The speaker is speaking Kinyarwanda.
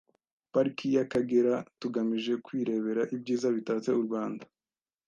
Pariki y’Akagera tugamije kwirebera ibyiza bitatse u Rwanda.